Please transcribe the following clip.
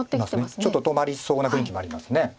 ちょっと止まりそうな雰囲気もあります。